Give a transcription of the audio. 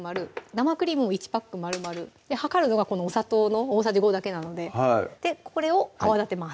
生クリームも１パックまるまる量るのがこのお砂糖の大さじ５だけなのででこれを泡立てます